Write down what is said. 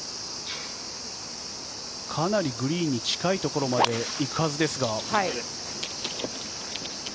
かなりグリーンに近いところまで行くはずですが。